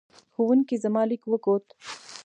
ښوونکې زما لیک وکوت.